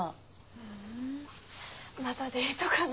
ふんまたデートかな。